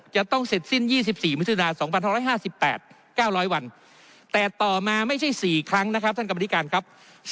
จะต้องเสร็จสิ้น๒๔มิถุนา๒๕๕๘๙๐๐วันแต่ต่อมาไม่ใช่๔ครั้งนะครับท่านกรรมธิการครับ